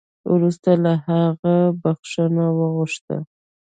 وروسته له هغه بخښنه وغوښته